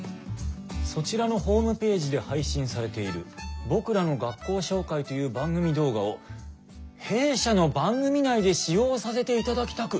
「そちらのホームページで配信されている『僕らの学校紹介』という番組動画を弊社の番組内で使用させていただきたく」。